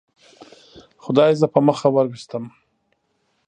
خدای زه په مخه وروستم.